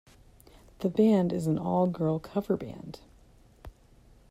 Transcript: The band is an all-girl cover band.